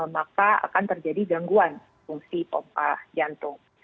maka akan terjadi gangguan fungsi pompa jantung